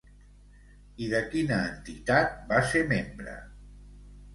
I de quina entitat va ser membre?